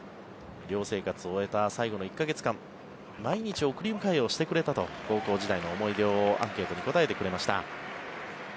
寮生活を終えた最後の１か月間毎日送り迎えをしてくれたと高校時代の気持ちをアンケートに答えてくれました。